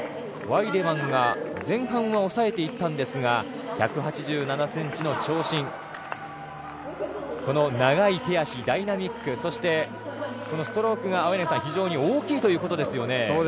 ワイデマンが前半は抑えていったんですが１８７ｃｍの長身、この長い手足、ダイナミックそしてストロークが非常に大きいということですよね。